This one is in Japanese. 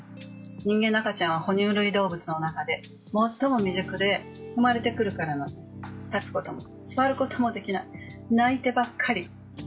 人間の赤ちゃんは哺乳類動物で最も未熟で生まれてくるからなんです、立つことも座ることもできない、泣いてばっかり。